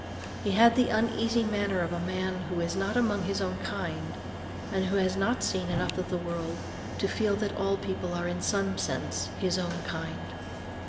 He had the uneasy manner of a man who is not among his own kind, and who has not seen enough of the world to feel that all people are in some sense his own kind.